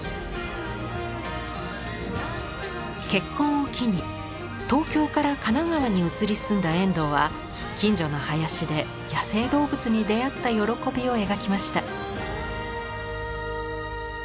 結婚を機に東京から神奈川に移り住んだ遠藤は近所の林で野生動物に出会った喜びを描きました。